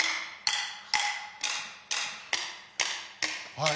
はい。